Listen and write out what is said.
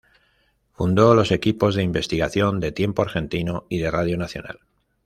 Fundó los equipos de Investigación de "Tiempo Argentino" y de Radio Nacional.